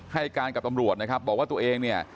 ให้การกับตำรวจนะครับบอกว่าตัวเองเนี่ย